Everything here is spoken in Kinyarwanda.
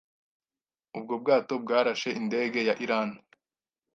ubwo bwato bwarashe indege ya Iran